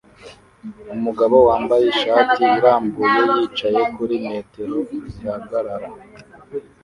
umugabo wambaye ishati irambuye yicaye kuri metero zihagarara